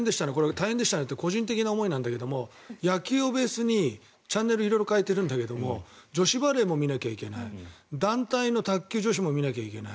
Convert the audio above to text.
大変でしたねって個人的な思いなんだけど野球をベースにチャンネルを色々変えてるんだけど女子バレーも見なければいけない団体の卓球女子も見ないといけない。